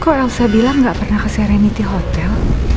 kok elsa bilang enggak pernah ke serenity hotel